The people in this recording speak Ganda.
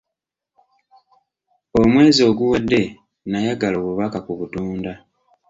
Omwezi oguwedde, nayagala obubaka ku butunda